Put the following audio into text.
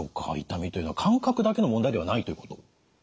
痛みというのは感覚だけの問題ではないということ？